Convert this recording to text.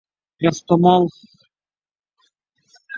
Ehtimol, kecha onam ham shu oymomaga termilib, meni o‘ylab yotgandir.